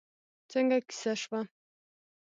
څنګه کېسه شوه؟